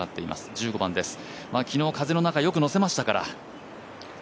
１５番です、昨日風の中、よく乗せましたから。